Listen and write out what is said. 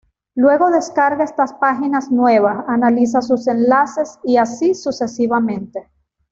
Luego descarga estas páginas nuevas, analiza sus enlaces, y así sucesivamente.